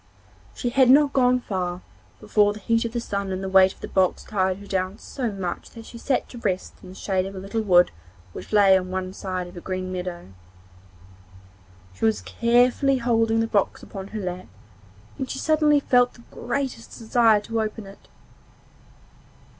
She had not gone far before the heat of the sun and the weight of the box tired her so much that she sat down to rest in the shade of a little wood which lay on one side of a green meadow. She was carefully holding the box upon her lap when she suddenly felt the greatest desire to open it.